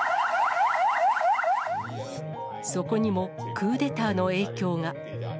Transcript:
そこにもクーデターの影響が。